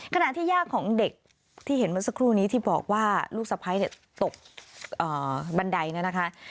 ขณะที่ย่าของเด็กที่เห็นเมื่อสักครู่นี้ที่บอกว่าลูกสะพ้ายตกบันไดเนี่ยนะคะ